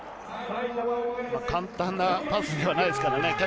簡単なパスではないですからね。